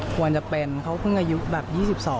ควรจะเป็นเขาเพิ่งอายุแบบ๒๒